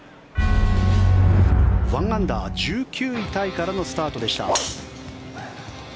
１アンダー、１９位タイからのスタートでした。